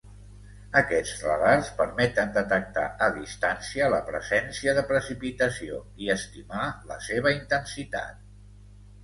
Aquests radars permeten detectar a distància la presència de precipitació i estimar la seva intensitat.